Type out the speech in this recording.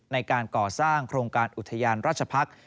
ในการก่อสร้างโครงการอุทยานราชพักษ์